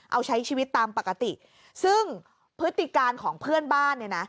เอาใช้ชีวิตตามปกติซึ่งพฤติการของเพื่อนบ้านเนี่ยนะ